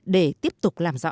để tiếp tục làm rõ